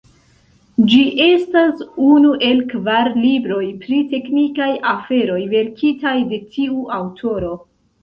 Ĝi estas unu el kvar libroj pri teknikaj aferoj verkitaj de tiu aŭtoro.